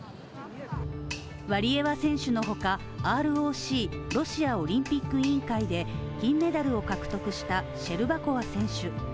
ワリエワ選手のほか、ＲＯＣ＝ロシアオリンピック委員会で金メダルを獲得したシェルバコワ選手